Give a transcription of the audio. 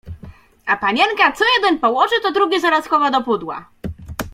A panienka co jeden położy, to drugi zaraz chowa do pudła.